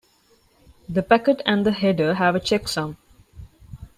The packet and the header have a checksum.